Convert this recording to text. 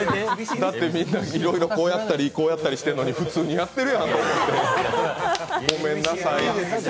だってみんないろいろ、こうやったり、こうやったりしてるのに普通にやってるやんって、ごめんなさい。